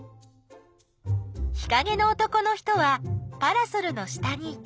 日かげの男の人はパラソルの下にいた。